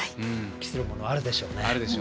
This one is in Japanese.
期するものがあるでしょうね。